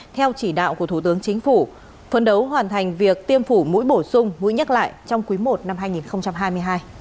theo chỉ đạo của thủ tướng chính phủ phấn đấu hoàn thành việc tiêm phủ mũi bổ sung mũi nhắc lại trong quý i năm hai nghìn hai mươi hai